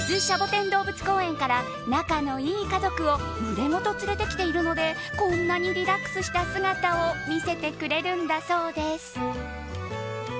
シャボテン動物公園から仲のいい家族を群れごと連れてきているのでこんなにリラックスした姿を見せてくれるんだそうです。